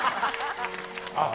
あっ！